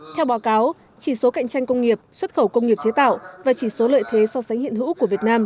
theo báo cáo chỉ số cạnh tranh công nghiệp xuất khẩu công nghiệp chế tạo và chỉ số lợi thế so sánh hiện hữu của việt nam